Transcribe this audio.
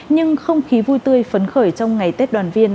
nhưng không khí vui tươi phấn khởi trong ngày tết đoàn viên